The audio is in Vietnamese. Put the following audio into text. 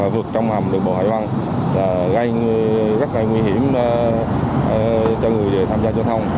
vượt trong hầm đường bộ hải vân gây rất nguy hiểm cho người tham gia cho thông